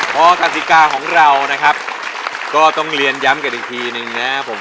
เพราะฑาสีกาวของเราต้องเรียนย้ำกันอีกทีหนึ่ง